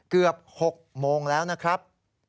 เกือบ๖โมงแล้วนะครับ